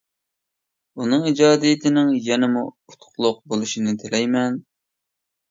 ئۇنىڭ ئىجادىيىتىنىڭ يەنىمۇ ئۇتۇقلۇق بولۇشىنى تىلەيمەن.